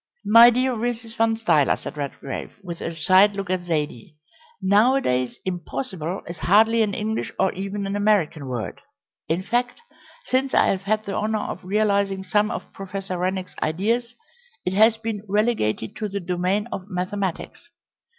"My dear Mrs. Van Stuyler," said Redgrave, with a side look at Zaidie, "nowadays 'impossible' is hardly an English or even an American word. In fact, since I have had the honour of realising some of Professor Rennick's ideas it has been relegated to the domain of mathematics.